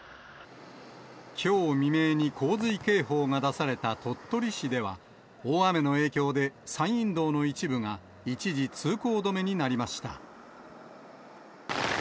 きょう未明に洪水警報が出された鳥取市では、大雨の影響で、山陰道の一部が一時通行止めになりました。